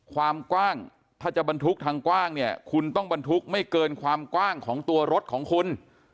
ความกว้างถ้าจะบรรทุกทางกว้างเนี่ยคุณต้องบรรทุกไม่เกินความกว้างของตัวรถของคุณ